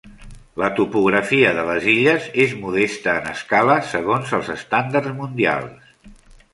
La topografia de les illes és modesta en escala segons els estàndards mundials.